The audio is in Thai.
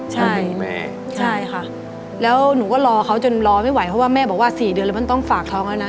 ใช่แม่ใช่ค่ะแล้วหนูก็รอเขาจนรอไม่ไหวเพราะว่าแม่บอกว่าสี่เดือนแล้วมันต้องฝากท้องแล้วนะ